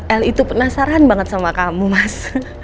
el itu penasaran banget sama kamu mas